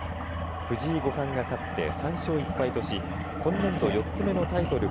藤井五冠が勝って３勝１敗とし今年度４つ目のタイトル